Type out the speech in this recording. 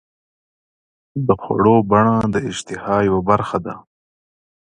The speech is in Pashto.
د خوړو بڼه د اشتها یوه برخه ده.